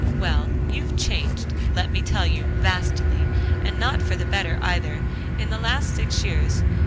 Well, you've changed, let me tell you, vastly, and not for the better either, in the last six years.